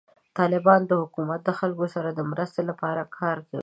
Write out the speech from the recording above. د طالبانو حکومت د خلکو سره د مرستې لپاره کار کوي.